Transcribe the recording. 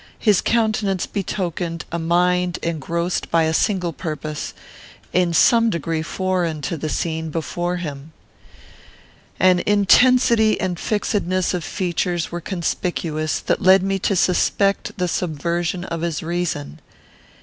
His countenance betokened a mind engrossed by a single purpose, in some degree foreign to the scene before him. An intensity and fixedness of features were conspicuous, that led me to suspect the subversion of his reason.